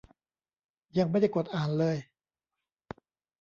ยังไม่ได้กดอ่านเลย